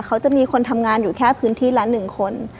เขาจะมีคนทำงานอยู่แค่พื้นที่ละ๑คน